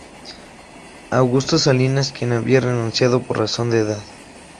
Augusto Salinas, quien había renunciado por razón de edad.